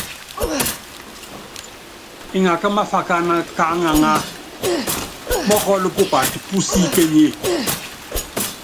Iŋaká máfákan ká aŋaŋá mɔkɔ́l pupat pú síkeny.